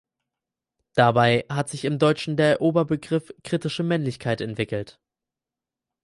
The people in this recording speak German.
Dabei hat sich im Deutschen der Oberbegriff "Kritische Männlichkeit" entwickelt.